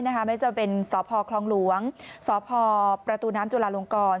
ไม่ว่าจะเป็นสพคลองหลวงสพประตูน้ำจุลาลงกร